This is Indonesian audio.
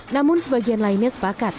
namun sebagian lainnya sepakat